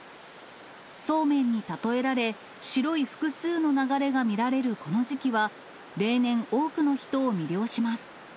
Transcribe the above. ソーメンに例えられ、白い複数の流れが見られるこの時期は、例年、多くの人を魅了します。